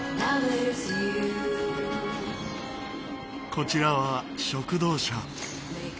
こちらは食堂車。